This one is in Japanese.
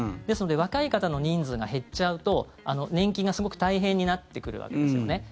ですので若い方の人数が減っちゃうと年金がすごく大変になってくるわけですよね。